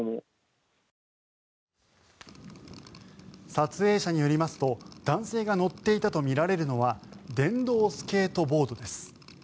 撮影者によりますと男性が乗っていたとみられるのは電動スケートボードです。